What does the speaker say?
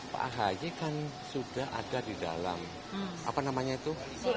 pak ahaye kan sudah ada di dalam apa namanya itu